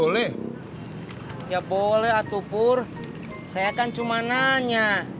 seperti biasa neng